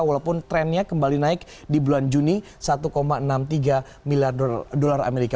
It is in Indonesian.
walaupun trennya kembali naik di bulan juni satu enam puluh tiga miliar dolar amerika